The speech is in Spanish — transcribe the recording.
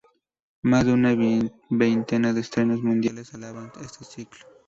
Más de una veintena de estrenos mundiales avalan este ciclo.